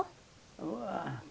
wah punya saya